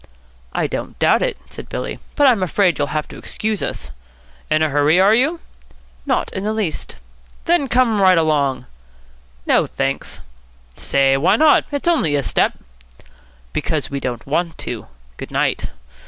"I don't doubt it," said Billy, "but I'm afraid you'll have to excuse us." "In a hurry, are you?" "Not in the least." "Then come right along." "No, thanks." "Say, why not? It's only a step." "Because we don't want to. Good night."